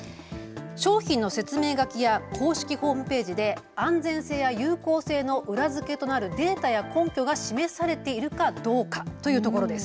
商品の説明書きや公式ホームページで安全性や有効性の裏づけとなるデータや根拠が示されているかどうかというところです。